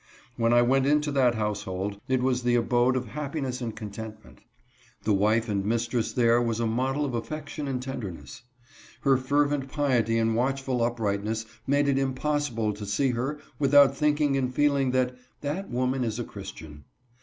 When I went into that household, it was the abode of happiness and contentment. The wife and mistress there was a model of affection and tenderness. Her fervent piety and watchful uprightness made it impossible to see her without thinking and feeling that " that woman is a Christian."